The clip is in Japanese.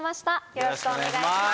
よろしくお願いします。